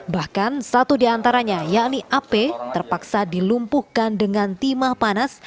bahkan satu diantaranya yakni ap terpaksa dilumpuhkan dengan timah panas